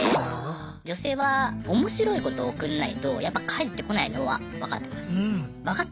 女性はおもしろいこと送んないとやっぱ返ってこないのはわかってます。